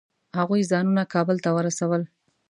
هغوی ځانونه کابل ته ورسول.